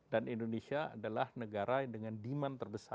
dan indonesia adalah negara dengan demand terbesar